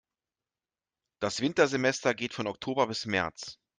Das Wintersemester geht von Oktober bis März.